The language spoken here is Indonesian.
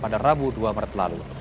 pada rabu dua maret lalu